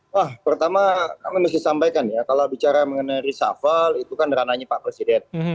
wah pertama kami mesti sampaikan ya kalau bicara mengenai reshuffle itu kan ranahnya pak presiden